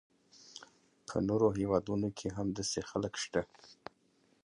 په نورو هیوادونو کې هم داسې خلک شته.